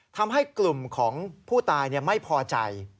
ทำให้กลุ่มของผู้ตายไม่พอใจ